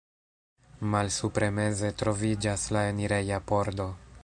Malsupre meze troviĝas la enireja pordo.